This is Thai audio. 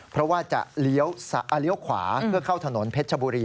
เพราะว่าจะเลี้ยวขวาเพื่อเข้าถนนเพชรชบุรี